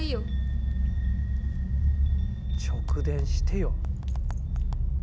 直電してよ。